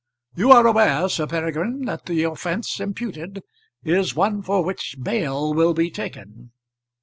You are aware, Sir Peregrine, that the offence imputed is one for which bail will be taken.